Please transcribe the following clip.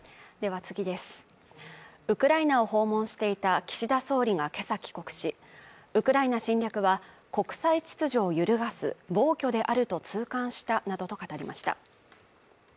ウクライナを訪問していた岸田総理が今朝帰国し、ウクライナ侵略は国際秩序を揺るがす暴挙であると痛感したなどと語りました。